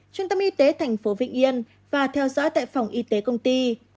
trung tâm y tế tp vịnh yên và theo dõi tại phòng y tế công ty